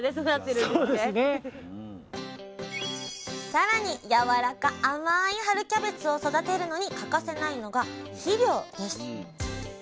さらにやわらか甘い春キャベツを育てるのに欠かせないのが肥料です。